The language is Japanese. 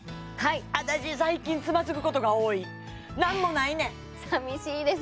私最近はいつまずくことが多い何もないねんさみしいです